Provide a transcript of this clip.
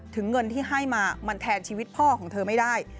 เงินที่ให้มามันแทนชีวิตพ่อของเธอไม่ได้